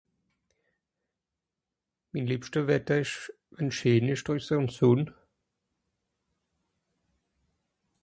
mìn lebschte wätte esch ... scheen esch drüsse ùn sonn